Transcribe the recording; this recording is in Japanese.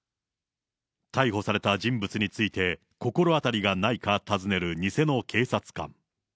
逮捕された人物について、心当たりがないか尋ねる偽の警察官。